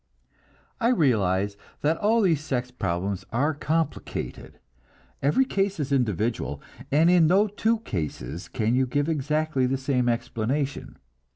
I realize that all these sex problems are complicated. Every case is individual, and in no two cases can you give exactly the same explanation.